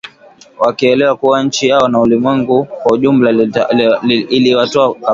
Wakielewa kuwa nchi yao na ulimwengu kwa jumla iliwatoa kafara.